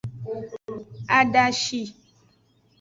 Adashi.